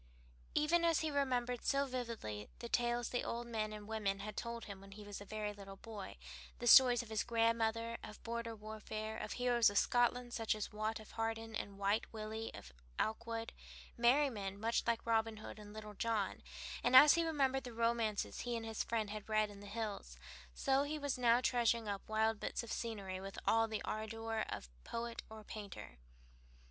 Even as he remembered so vividly the tales the old men and women had told him when he was a very little boy, the stories of his grandmother, of border warfare, of heroes of Scotland, such as Watt of Harden, and Wight Willie of Aikwood, merrymen much like Robin Hood and Little John, and as he remembered the romances he and his friend had read in the hills, so he was now treasuring up wild bits of scenery with all the ardor of a poet or a painter.